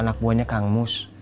anak buahnya kang mus